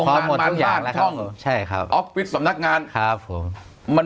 พร้อมหมดทุกอย่างแล้วครับใช่ครับออฟฟิศสำนักงานครับผม